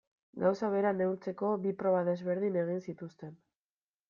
Gauza bera neurtzeko bi proba desberdin egin zituzten.